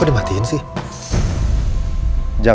terima kasih pak